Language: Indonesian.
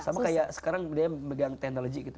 sama kayak sekarang dia megang teknologi gitu